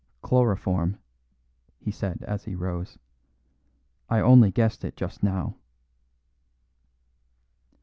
"Chloroform," he said as he rose; "I only guessed it just now."